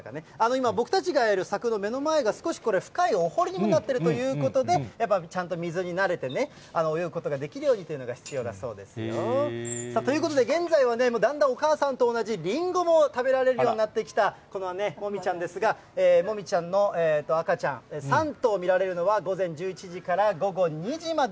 今、僕たちがいる柵の目の前が、少しこれ、深いお堀にもなっているということで、やっぱちゃんと水に慣れてね、泳ぐことができるようにということが必要だそうですよ。ということで、現在はだんだんお母さんと同じ、リンゴも食べられるようになってきた、このモミちゃんですが、モミちゃんの、あかちゃん、３頭見られるのは、午前１１時から午後２時まで。